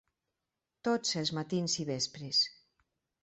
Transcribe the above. Tots els matins i vespres.